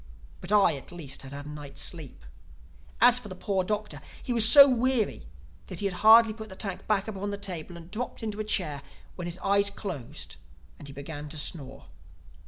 But I, at least, had had a night's sleep. As for the poor Doctor, he was so weary that he had hardly put the tank back upon the table and dropped into a chair, when his eyes closed and he began to snore.